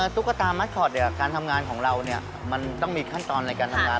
ตุ๊กตามัสคอตการทำงานของเรามันต้องมีขั้นตอนในการทำงาน